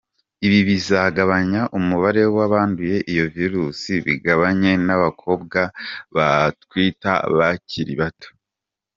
Ibi bizagabanya umubare w’abanduye iyo virusi bigabanye n’abakobwa batwita bakiri bato.